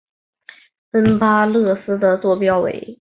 恩巴勒斯的座标为。